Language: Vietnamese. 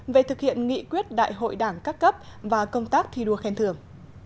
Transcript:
về thực hiện nghị quyết đại hội đảng các cấp và công tác thi đua khen thưởng